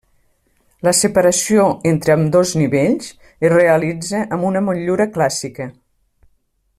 La separació entre ambdós nivells es realitza amb una motllura clàssica.